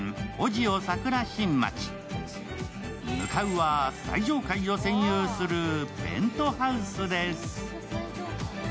向かうは最上階を占有するペントハウスです。